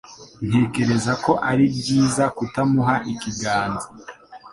Ntekereza ko ari byiza kutamuha ikiganza.